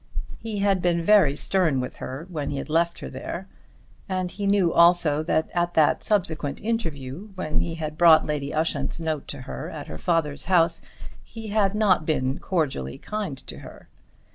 He had been very stern when he had left her there, and he knew also that at that subsequent interview, when he had brought Lady Ushant's note to her at her father's house, he had not been cordially kind to her.